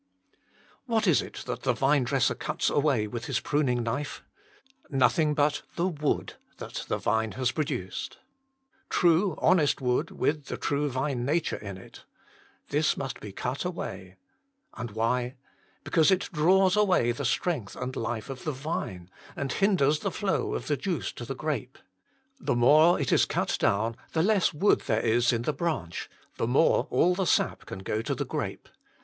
What is it that the vinedresser cuts away with his pruning knife ? Nothing but the wood that the branch has produced true, honest wood, with the true vine nature in it. This must be cut away. And why ? Because it draws away the strength and life of the vine, and hinders the flow of the juice to the grape. The more it is cut down, the less wood there is in the branch, the more all the sap can go to the grape.